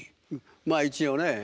まあ一応ねはい。